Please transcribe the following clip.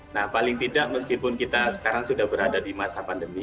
nah paling tidak meskipun kita sekarang sudah berada di masa pandemi